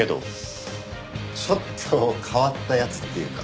ちょっと変わった奴っていうか。